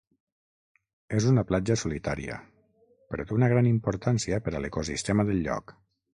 És una platja solitària però té una gran importància per a l'ecosistema del lloc.